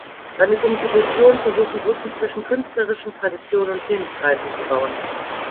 Seine Kompositionen versuchen Brücken zwischen künstlerischen Traditionen und Themenkreisen zu bauen.